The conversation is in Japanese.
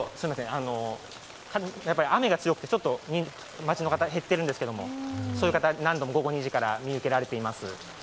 今、雨が強くて、ちょっと街の方、減っているんですけど、そういう方、午後２時から何度も見受けられています。